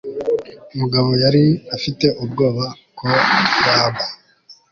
mugabo yari afite ubwoba ko yagwa